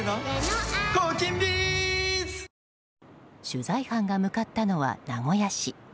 取材班が向かったのは名古屋市。